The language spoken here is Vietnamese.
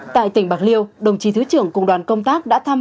tại tỉnh bạc liêu đồng chí thứ trưởng cùng đoàn công tác đã thăm